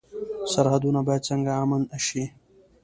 سرحدونه باید څنګه امن شي؟